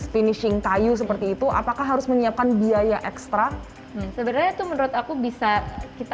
finishing kayu seperti itu apakah harus menyiapkan biaya ekstra sebenarnya itu menurut aku bisa kita